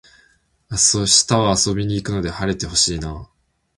明日は遊びに行くので晴れて欲しいなあ